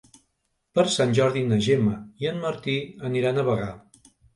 Per Sant Jordi na Gemma i en Martí aniran a Bagà.